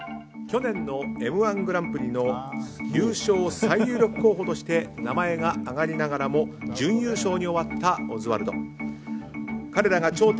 去年の「Ｍ‐１グランプリ」の優勝最有力候補として名前が挙がりながらも準優勝に終わったオズワルド。